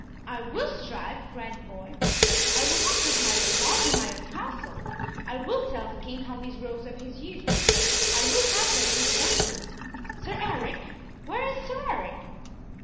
"I will strive!" cried the boy. "I will not have my way barred in my own Castle. I will tell the King how these rogues of his use me. I will have them in the dungeon. Sir Eric! where is Sir Eric?"